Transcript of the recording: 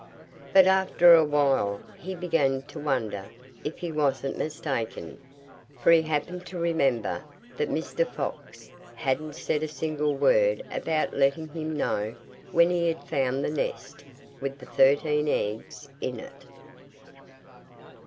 But after a while he began to wonder if he wasn't mistaken; for he happened to remember that Mr. Fox hadn't said a single word about letting him know when he had found the nest with the thirteen eggs in it. XIII DON'T DO THAT!